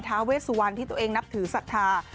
้าเวสุวรรณที่ตัวเองนับถือศรัทธา